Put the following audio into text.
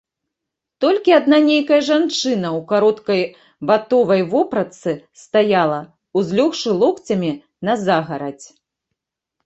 Толькі адна нейкая жанчына ў кароткай ватовай вопратцы стаяла, узлёгшы локцямі на загарадзь.